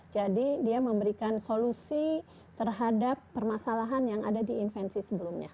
jadi dia memberikan solusi terhadap permasalahan yang ada di invensi sebelumnya